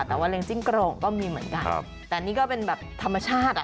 แต่ว่าเล็งจิ้งโกรงก็มีเหมือนกันแต่นี่ก็เป็นแบบธรรมชาติอ่ะ